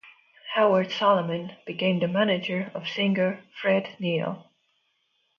Howard Solomon became the manager of singer Fred Neil.